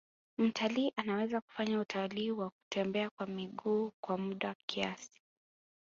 Mtalii anaweza kufanya utalii wa kutembea kwa miguu kwa muda kiasi